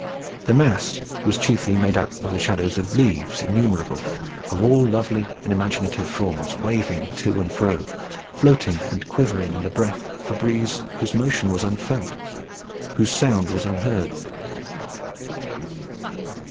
The mass was chiefly made up of the shadows of leaves innumerable, of all lovely and imaginative forms, waving to and fro, floating and quivering in the breath of a breeze whose motion was unfelt, whose sound was unheard.